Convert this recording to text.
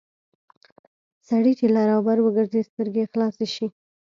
سړی چې لر او بر وګرځي سترګې یې خلاصې شي...